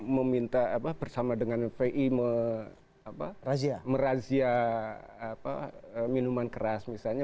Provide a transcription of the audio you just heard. meminta bersama dengan v i merajia minuman keras misalnya